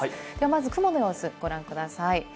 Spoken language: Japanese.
まず雲の様子、ご覧ください。